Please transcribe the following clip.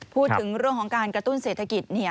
พูดถึงเรื่องของการกระตุ้นเศรษฐกิจ